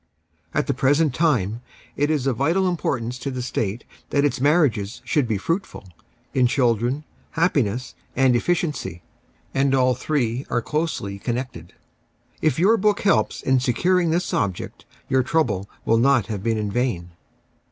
At the present time it is of vital importance to tlie State tliat its marriages should be fruitful — in children, happiness, and efficiency (and all three are closely connected). If your book helps in securing this object, your trouble will not have been in vain.